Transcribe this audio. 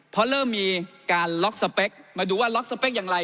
เพราะเริ่มมีการล็อกสเปคมาดูว่าล็อกสเปคอย่างไร